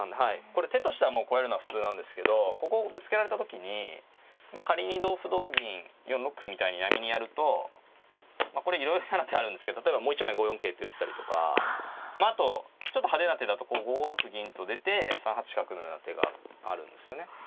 これ手としてはこうやるのが普通なんですけどここぶつけられた時に仮に同歩同銀４六歩みたいに嫌みにやるとこれいろいろ嫌な手あるんですけど例えばもう一枚５四桂って打ったりとかあとちょっと派手な手だと５六銀と出て３八角のような手があるんですよね。